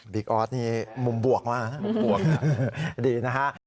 บิ๊กออสนี่มุมบวกมากนะครับดีนะครับ